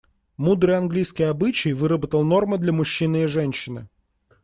Мудрый английский обычай выработал нормы для мужчины и женщины.